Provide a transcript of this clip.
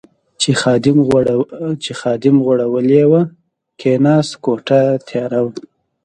چې خادم غوړولې وه، کېناست، کوټه تیاره وه.